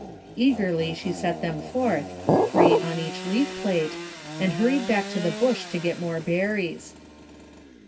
Eagerly she set them forth, three on each leaf plate, and hurried back to the bush to get more berries.